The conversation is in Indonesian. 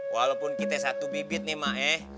walaupun kita satu bibit nih mak eh